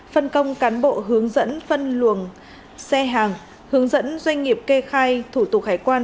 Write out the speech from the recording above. phân công cán bộ hướng dẫn phân luồng xe hàng hướng dẫn doanh nghiệp kê khai thủ tục hải quan